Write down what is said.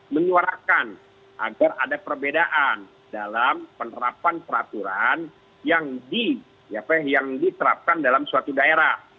menyuarakan agar ada perbedaan dalam penerapan peraturan yang diterapkan dalam suatu daerah